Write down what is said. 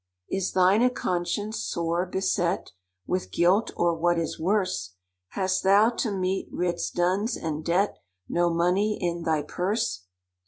"Is thine a conscience sore beset With guilt—or, what is worse, Hast thou to meet writs, duns, and debt— No money in thy purse?